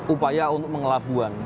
upaya untuk mengelabuan